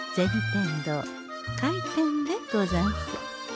天堂開店でござんす。